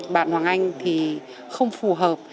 bạn hoàng anh thì không phù hợp